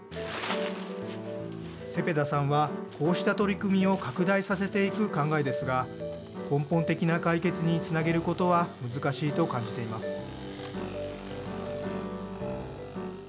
セペダさんはこうした取り組みを拡大させていく考えですが根本的な解決につなげることは難しいと感じています。